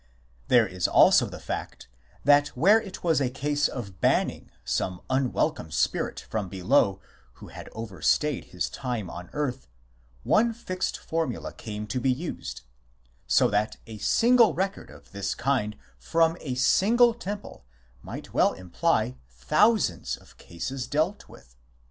There is also the fact that where it was a case of banning some unwelcome spirit from below who had overstayed his time on earth, one fixed formula came to be used 1 so that a single record of this kind from a single temple might well imply thousands of cases dealt with.